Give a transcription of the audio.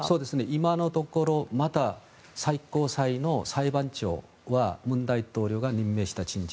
今のところまだ最高裁の裁判長は文大統領が任命した人事。